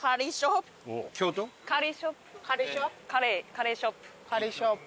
カレーショップ。